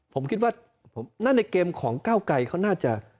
ผมคิดว่านั่นในเกมของก้าวไกรเขาน่าจะ